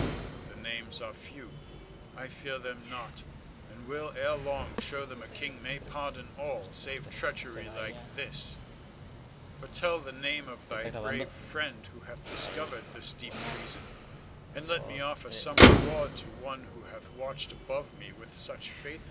The names are few; I fear them not, and will ere long show them a king may pardon all save treachery like this. But tell the name of thy brave friend who hath discovered this deep treason, and let me offer some reward to one who hath watched above me with such faithful care.